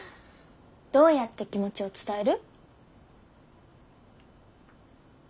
どうやって気持ちを伝える？